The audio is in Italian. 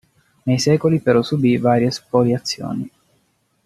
Nei secoli però subì varie spoliazioni.